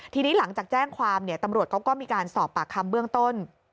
ทีนี้หลังจากแจ้งความตำรวจเขาก็มีการสอบปากคำเบื้องต้น